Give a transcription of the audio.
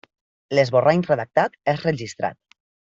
L’esborrany redactat és registrat.